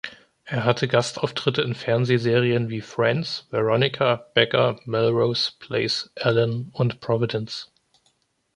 Er hatte Gastauftritte in Fernsehserien wie Friends, Veronica, Becker, Melrose Place, Ellen, und Providence.